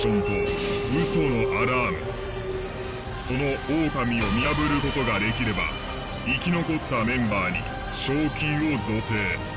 そのオオカミを見破る事ができれば生き残ったメンバーに賞金を贈呈。